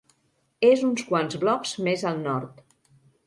És uns quants blocs més al nord.